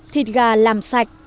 thịt gà làm sạch